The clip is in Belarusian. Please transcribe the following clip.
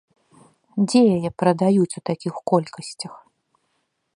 Дзе яе прадаюць у такіх колькасцях?